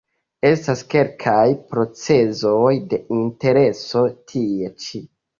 Estas kelkaj procezoj de intereso tie ĉi.